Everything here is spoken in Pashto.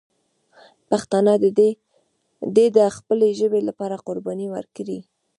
پښتانه دې د خپلې ژبې لپاره قرباني ورکړي.